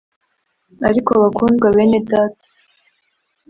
Ariko Bakundwa bene Data